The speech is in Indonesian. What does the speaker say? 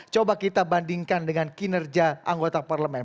coba kita bandingkan dengan kinerja anggota parlemen